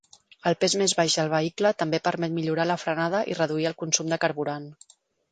El pes més baix del vehicle també permet millorar la frenada i reduir el consum de carburant.